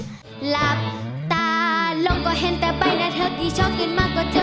หลับตาลงก็เห็นแต่ใบหน้าเธอดีชอบกินมากกว่าเธอ